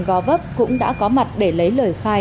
gò vấp cũng đã có mặt để lấy lời khai